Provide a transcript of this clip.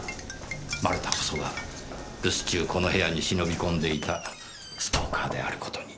丸田こそが留守中この部屋に忍び込んでいたストーカーである事に。